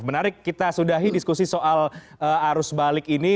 menarik kita sudahi diskusi soal arus balik ini